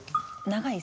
長い？